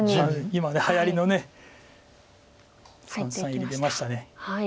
今はやりの三々入り出ました。